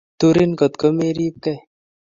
turin ngot ko meripgei